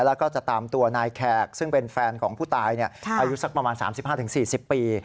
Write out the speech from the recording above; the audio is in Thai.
แล้วก็จะตามตัวนายแคกซึ่งเป็นแฟนของผู้ตายเนี่ยอายุสักประมาณสามสิบห้าถึงสี่สิบปี